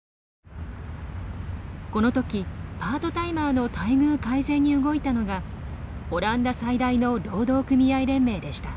この時パートタイマーの待遇改善に動いたのがオランダ最大の労働組合連盟でした。